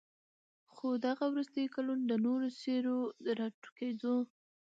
خو دغه وروستي كلونه د نوو څېرو د راټوكېدو